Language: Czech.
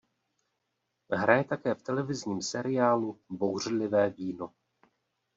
Hraje také v televizním seriálu Bouřlivé víno.